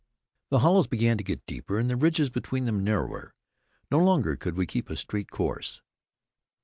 The hollows began to get deeper, and the ridges between them narrower. No longer could we keep a straight course.